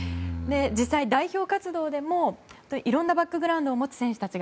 実際、代表活動でもいろんなバックグラウンドを持つ選手たち